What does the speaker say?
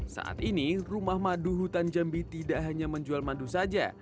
saat ini rumah madu hutan jambi tidak hanya menjual madu saja